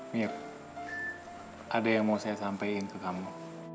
mir ada yang mau saya sampaikan ke kamu